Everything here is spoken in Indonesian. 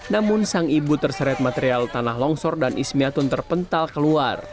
namun sang ibu terseret material tanah longsor dan ismiatun terpental keluar